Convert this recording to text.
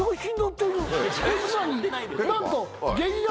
なんと。